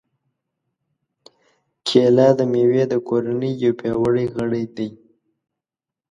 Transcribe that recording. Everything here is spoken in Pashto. کېله د مېوې د کورنۍ یو پیاوړی غړی دی.